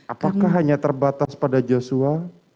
apakah hanya terbatas pada joshua